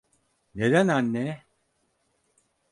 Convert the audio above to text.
Neden anne?